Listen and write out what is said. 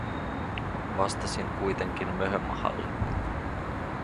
Vastasin kuitenkin möhömahalle: